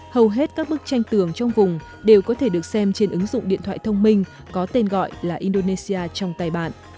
hầu hết các bức tranh tường trong vùng đều có thể được xem trên ứng dụng điện thoại thông minh có tên gọi là indonesia trong tay bạn